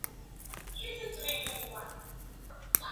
Doctors made an unsuccessful attempt to reattach the ear.